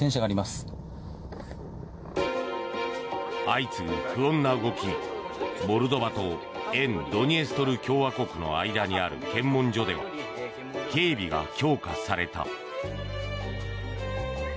相次ぐ不穏な動きにモルドバと沿ドニエストル共和国の間にある検問所では警備が強化された。